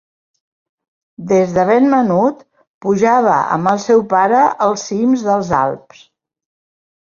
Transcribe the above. Des de ben menut, pujava amb el seu pare els cims dels Alps.